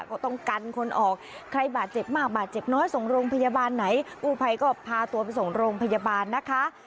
ก็ต้องกันคนออกใครบาดเจ็บมากบาดเจ็บน้อยส่งโรงพยาบาลไหนกู้ภัยก็พาตัวไปส่งโรงพยาบาลนะคะ